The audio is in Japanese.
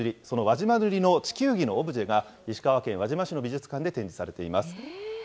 その輪島塗の地球儀のオブジェが、石川県輪島市の美術館で展示されています。